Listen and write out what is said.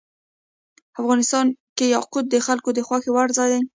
افغانستان کې یاقوت د خلکو د خوښې وړ ځای دی.